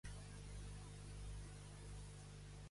El purisme lingüístic no és pas inherentment dolent.